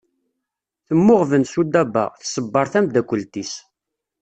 Temmuɣben Sudaba, tṣebber tamdakelt-is.